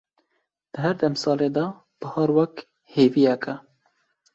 di her demsalê de bihar wek hêviyeke